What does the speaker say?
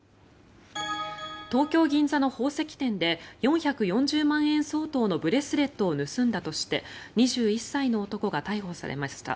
東京・銀座の宝石店で４４０万円相当のブレスレットを盗んだとして２１歳の男が逮捕されました。